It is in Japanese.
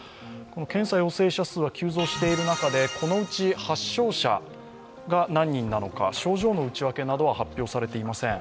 検査陽性者数が急増している中でこのうち発症者が何人なのか、症状の内訳などは発表されていません。